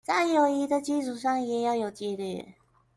在友誼的基礎之上也要有紀律